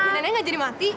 nenek gak jadi mati